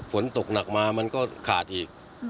ฝนตกหนักมามันก็ขาดอีก